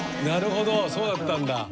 なるほどそうだったんだ。